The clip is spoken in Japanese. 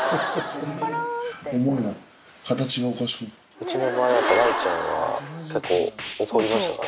うちの場合雷ちゃんは結構怒りましたから。